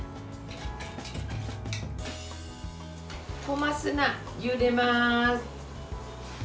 小松菜ゆでます。